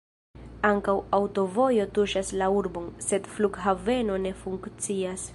Ankaŭ aŭtovojo tuŝas la urbon, sed flughaveno ne funkcias.